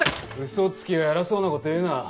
嘘つきが偉そうなこと言うな。